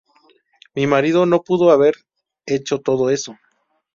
Mi marido no pudo haber hecho todo eso.